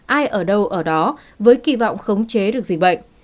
ai ở đâu ở đó với kỳ vọng khống chế được dịch bệnh